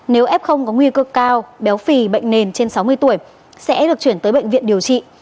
nếu f có nguy cơ cao béo phì bệnh nền trên sáu mươi tuổi sẽ được chuyển tới bệnh viện điều trị